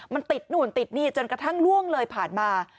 มันติดนู่นติดนี่จนกระทั่งล่วงเลยผ่านมา